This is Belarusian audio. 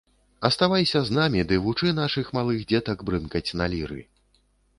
Аставайся з намі ды вучы нашых малых дзетак брынкаць на ліры.